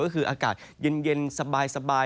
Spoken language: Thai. ก็คืออากาศเย็นสบาย